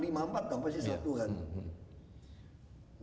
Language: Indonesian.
kan pasti satu kan